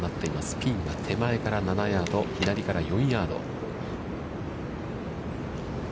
ピンは手前から７ヤード、左から４ヤード。